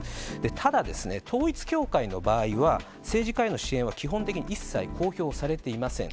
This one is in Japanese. ただ、統一教会の場合は、政治家への支援は、基本的に一切公表されていません。